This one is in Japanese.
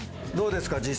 どうですか？